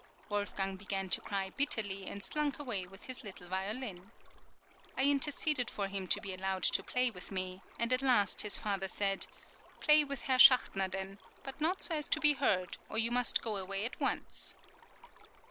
Wolfgang began to cry bitterly, and slunk away with his little violin. I interceded for him to be allowed to play with me, and at last his father said: "Play with Herr Schachtner then, but not so as to be heard, or you must go away at once."